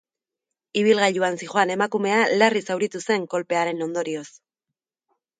Ibilgailuan zihoan emakumea larri zauritu zen, kolpearen ondorioz.